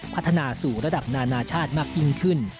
พัฒนาสู่ระดับนานาชาติมากยิ่งขึ้น